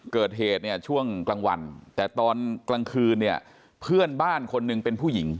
เกิดเหตุเนี่ยช่วงกลางวันแต่ตอนกลางคืนเนี่ยเพื่อนบ้านคนหนึ่งเป็นผู้หญิง